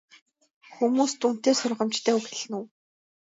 Хүмүүст үнэтэй сургамжтай үг хэлнэ үү?